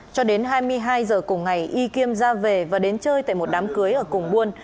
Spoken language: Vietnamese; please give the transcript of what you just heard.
cho đến hai mươi hai giờ cùng ngày y kiêm ra về và đến chơi tại một đám cưới ở cùng buôn